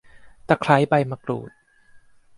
ตะไคร้ใบมะกรูด